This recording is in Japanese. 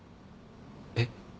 えっ？